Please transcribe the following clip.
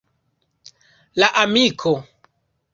La amiko.